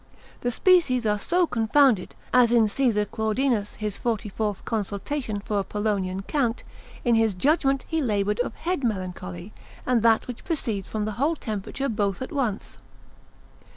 The species are so confounded, as in Caesar Claudinus his forty fourth consultation for a Polonian Count, in his judgment he laboured of head melancholy, and that which proceeds from the whole temperature both at once.